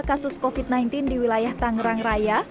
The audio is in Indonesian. kasus covid sembilan belas di wilayah tangerang raya